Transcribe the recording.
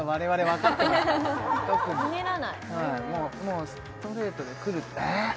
はいもうストレートでくるえっ？